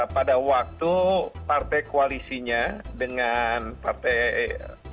pada waktu partai koalisinya dengan partai demokrat